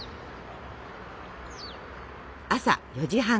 朝４時半。